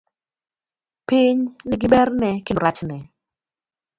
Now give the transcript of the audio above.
Piny nigi berne kendo rachne.